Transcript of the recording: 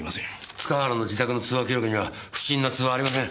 塚原の自宅の通話記録には不審な通話はありません。